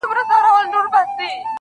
چي په مزار بغلان کابل کي به دي ياده لرم.